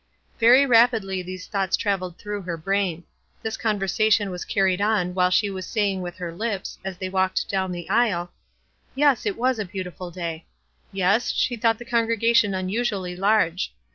Very rapidly these thoughts traveled through her brain. This conversation was carried on while she was saying with her lip's, as they walked down the aisle, "Yes, it was a beautiful day." "Yes, she thought the congregation un usually large."